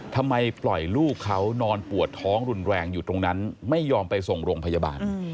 ทำไมปล่อยลูกเขานอนปวดท้องรุนแรงอยู่ตรงนั้นไม่ยอมไปส่งโรงพยาบาล